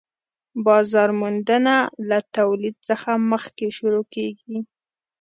بازار موندنه له تولید څخه مخکې شروع کيږي